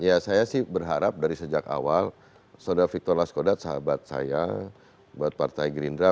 ya saya sih berharap dari sejak awal saudara victor laskodat sahabat saya buat partai gerindra